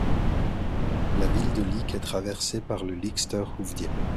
La ville de Leek est traversée par le Leekster Hoofddiep.